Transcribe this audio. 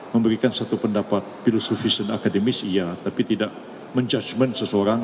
memberikan satu pendapat filosofis dan akademis iya tapi tidak menjudgement seseorang